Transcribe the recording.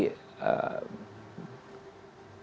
kalau menurut saya